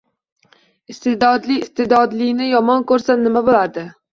Iste’dodli iste’dodlini yomon ko’rsa nima bo’ladi?